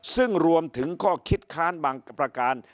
ซึ่งรวมถึงข้อคิดค้านบางประการ